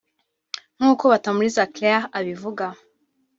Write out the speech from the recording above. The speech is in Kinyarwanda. nk’uko Batamuriza Claire abivuga